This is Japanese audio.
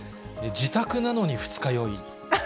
自宅なのに二日酔い。